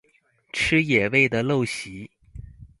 吃野味的陋習